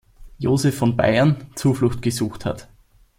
Joseph von Bayern, Zuflucht gesucht hat.